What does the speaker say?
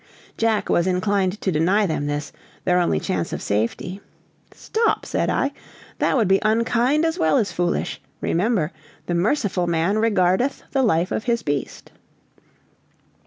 Jack was inclined to deny them this, their only chance of safety. "Stop," said I, "that would be unkind as well as foolish; remember, the merciful man regardeth the life of his beast."